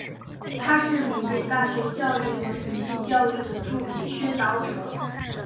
他是缅甸大学教育和女性教育的著名宣导者。